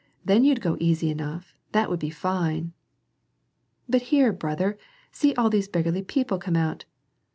Then you'd go easy enough ; that would be fine!" "But here, brother, see all these beggarly people come out!